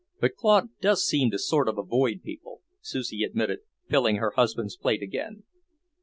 But Claude does seem to sort of avoid people," Susie admitted, filling her husband's plate again.